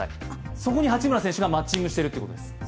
そこに八村選手がマッチングしているということです。